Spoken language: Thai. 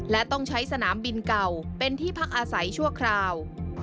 และต้องใช้สนามบินเก่าเป็นที่พักอาศัยชั่วคราว